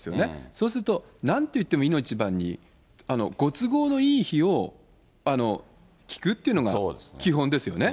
そうすると、なんといってもいの一番に、ご都合のいい日を聞くというのが基本ですよね。